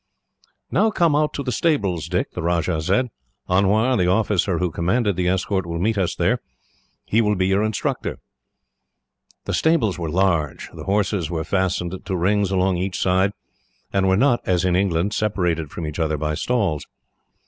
"Now come out to the stables, Dick," the Rajah said. "Anwar, the officer who commanded the escort, will meet us there. He will be your instructor." The stables were large. The horses were fastened to rings along each side, and were not, as in England, separated from each other by stalls.